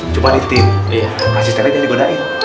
cuma di tim asistennya dia digunain